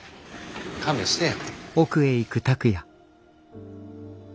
勘弁してよ。